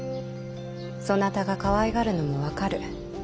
そなたがかわいがるのも分かる。